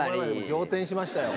仰天しましたよ。